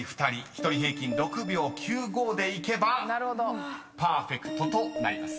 １人平均６秒９５でいけばパーフェクトとなります。